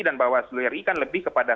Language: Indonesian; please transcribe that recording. dan bawah seluruh ri kan lebih kepada